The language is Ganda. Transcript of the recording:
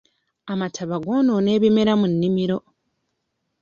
Amataba goonoona ebimera mu nnimiro.